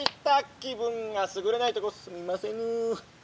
気分がすぐれないとこすみませぬ！」。